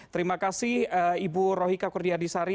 terima kasih ibu rohika kurnia disari